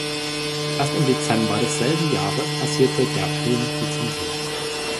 Erst im Dezember desselben Jahres passierte der Film die Zensur.